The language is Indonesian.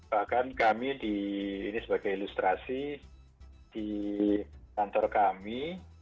bahkan kami ini sebagai ilustrasi di kantor kami